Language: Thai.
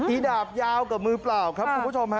ดาบยาวกับมือเปล่าครับคุณผู้ชมฮะ